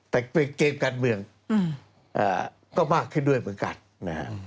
แต่เกมการเมืองก็มากขึ้นด้วยเหมือนกันนะฮะ